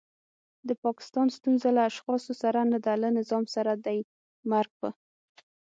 د پاکستان ستونزه له اشخاصو سره نده له نظام سره دی. مرګ په